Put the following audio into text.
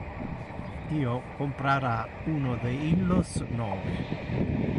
Io comprara uno de illos nove.